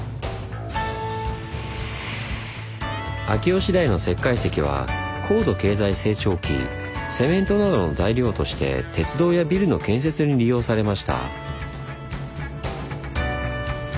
秋吉台の石灰石は高度経済成長期セメントなどの材料として鉄道やビルの建設に利用されました。